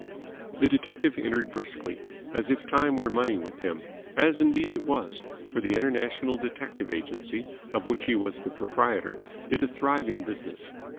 The detective entered briskly, as if time were money with him as indeed it was, for the International Detective Agency, of which he was the proprietor, did a thriving business.